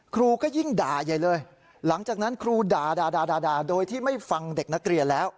ครูก็ยิ่งด่าใหญ่เลยหลังจากนั้นครูด่าโดยที่ไม่ฟังเด็กนักเรียนแล้ว